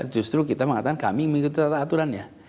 justru kita mengatakan kami mengikuti tata aturan ya